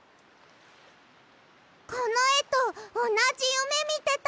このえとおなじゆめみてた。